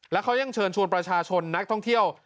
แล้วเขายังเชิญชวนประชาชนนักท่องเที่ยว